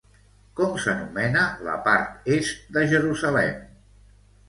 Com s'anomena la part est de Jerusalem?